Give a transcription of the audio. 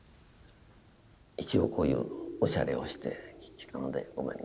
一応こういうおしゃれをしてきたのでごめんなさい。